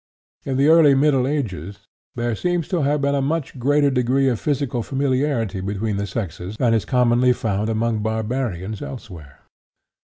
In the early middle ages there seems to have been a much greater degree of physical familiarity between the sexes than is commonly found among barbarians elsewhere.